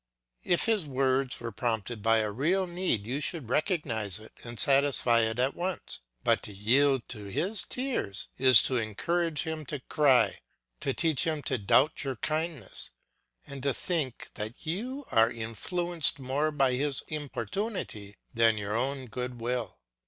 If his words were prompted by a real need you should recognise it and satisfy it at once; but to yield to his tears is to encourage him to cry, to teach him to doubt your kindness, and to think that you are influenced more by his importunity than your own good will.